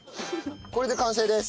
これで完成です。